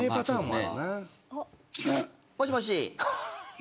もしもし。